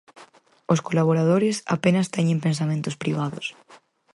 Os colaboradores apenas teñen pensamentos privados.